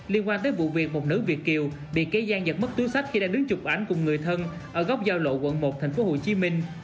liên quan tới vụ việc một nữ việt kiều bị kế gian giật mất túi sách khi đang đứng chụp ảnh cùng người thân ở góc giao lộ quận một thành phố hồ chí minh